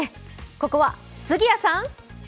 ここは杉谷さん。